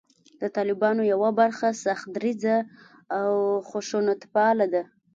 د طالبانو یوه برخه سخت دریځه او خشونتپاله ده